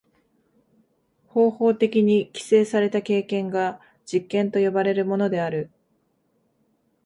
方法的に規制された経験が実験と呼ばれるものである。